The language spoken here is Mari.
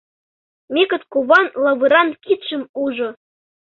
Микыт куван лавыран кидшым ужо: